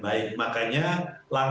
jadi saya pikir ini penting